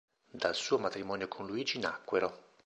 Dal suo matrimonio con Luigi nacquero